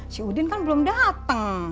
si udin kan belum dateng